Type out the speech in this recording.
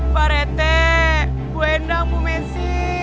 pak rete bu hendang bu mensi